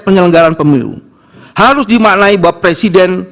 penyelenggaraan pemilu harus dimaknai bahwa presiden